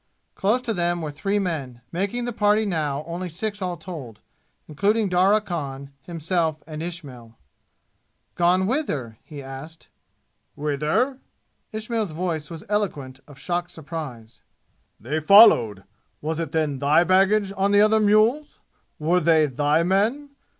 Close to them were three men, making the party now only six all told, including Darya Khan, himself and Ismail. "Gone whither?" he asked. "Whither?" Ismail's voice was eloquent of shocked surprise. "They followed! Was it then thy baggage on the other mules? Were they thy men?